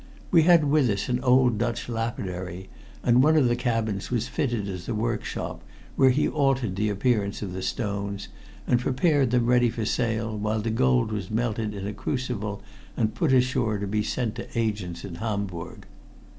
We had with us an old Dutch lapidary, and one of the cabins was fitted as a workshop, where he altered the appearance of the stones, and prepared them ready for sale, while the gold was melted in a crucible and put ashore to be sent to agents in Hamburg."